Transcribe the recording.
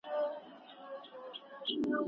اوښکې نه توروي،